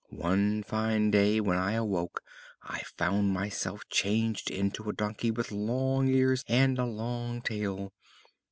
One fine day when I awoke I found myself changed into a donkey with long ears, and a long tail.